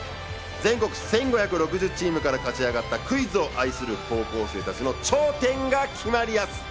全国１５６０チームから勝ち上がったクイズを愛する高校生たちの頂点が決まりやす。